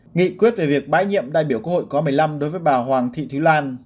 nghị quyết về việc bãi nhiệm đại biểu quốc hội khóa một mươi năm đối với bà hoàng thị thúy lan